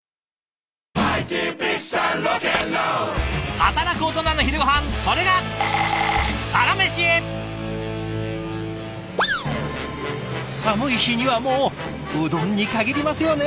働くオトナの昼ごはんそれが寒い日にはもううどんに限りますよね。